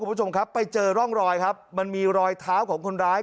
คุณผู้ชมครับไปเจอร่องรอยครับมันมีรอยเท้าของคนร้าย